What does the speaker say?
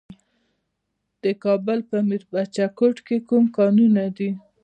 د کابل په میربچه کوټ کې کوم کانونه دي؟